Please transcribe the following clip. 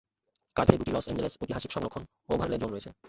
কারথে দুটি Los Angeles ঐতিহাসিক সংরক্ষণ ওভারলে জোন রয়েছে।